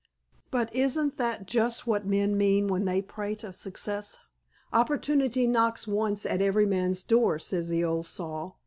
But, isn't that just what men mean when they prate of success? Opportunity knocks once at every man's door, says the old saw.